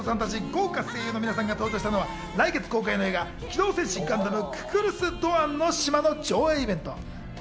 豪華声優の皆さんが登場したのは、来月公開の映画『機動戦士ガンダムククルス・ドアンの島』の上映イベント。